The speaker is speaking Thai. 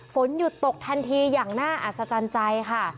ฝนหยุดตกทันทีอย่างน่าอัศจรรย์ใจค่ะ